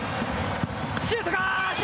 シュートだ！